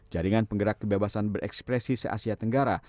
jaringan penggerak kebebasan berekspresi se asia tenggara